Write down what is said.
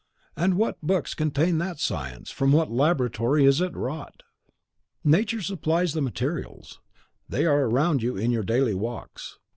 "And what books contain that science; from what laboratory is it wrought?" "Nature supplies the materials; they are around you in your daily walks.